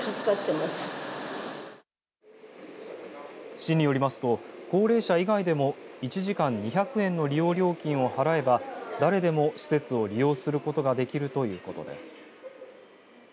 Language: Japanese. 市によりますと高齢者以外でも１時間２００円の利用料金を払えば誰でも施設を利用することができるということです。